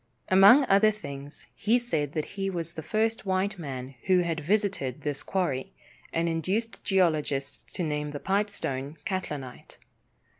Among other things, he said that he was the first white man who had visited this quarry, and induced geologists to name the pipestone "Catlinite."